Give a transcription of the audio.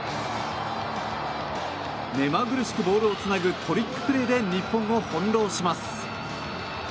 目まぐるしくボールをつなぐトリックプレーで日本を翻ろうします。